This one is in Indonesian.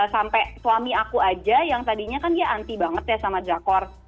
sampai suami aku aja yang tadinya kan dia anti banget ya sama drakor